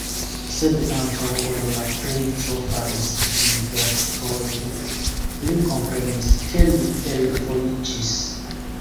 Sed antaŭ ol la princo faris kvin verstojn, li komprenis, ke li elvojiĝis.